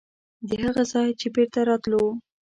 د هغه ځایه چې بېرته راتلو.